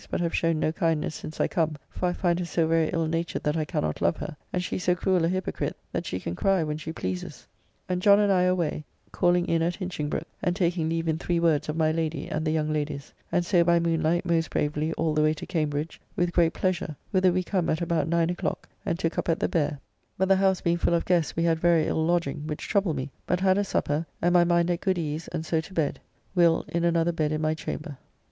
but have shown no kindness since I come, for I find her so very ill natured that I cannot love her, and she so cruel a hypocrite that she can cry when she pleases, and John and I away, calling in at Hinchingbroke, and taking leave in three words of my Lady, and the young ladies; and so by moonlight most bravely all the way to Cambridge, with great pleasure, whither we come at about nine o'clock, and took up at the Bear, but the house being full of guests we had very ill lodging, which troubled me, but had a supper, and my mind at good ease, and so to bed. Will in another bed in my chamber.